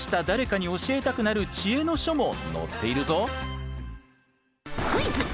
誰かに教えたくなる知恵の書も載っているぞ。